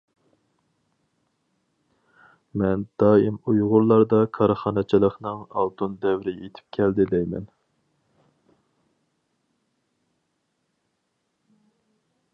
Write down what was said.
مەن دائىم ئۇيغۇرلاردا كارخانىچىلىقنىڭ ئالتۇن دەۋرى يىتىپ كەلدى دەيمەن.